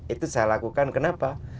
itu saya lakukan kenapa